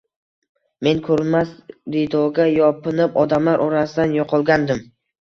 Men ko`rinmas ridoga yopinib, odamlar orasidan yo`qolgandim